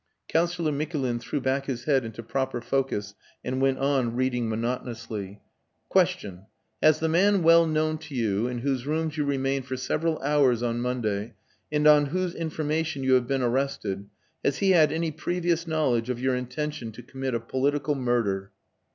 "Councillor Mikulin threw back his head into proper focus and went on reading monotonously: 'Question Has the man well known to you, in whose rooms you remained for several hours on Monday and on whose information you have been arrested has he had any previous knowledge of your intention to commit a political murder?...